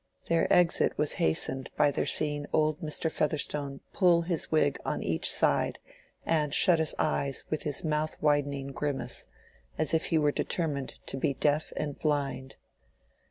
Their exit was hastened by their seeing old Mr. Featherstone pull his wig on each side and shut his eyes with his mouth widening grimace, as if he were determined to be deaf and blind.